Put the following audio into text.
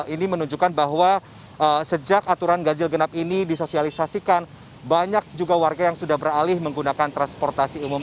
ini menunjukkan bahwa sejak aturan ganjil genap ini disosialisasikan banyak juga warga yang sudah beralih menggunakan transportasi umum